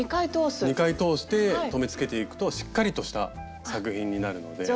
２回通して留めつけていくとしっかりとした作品になるので。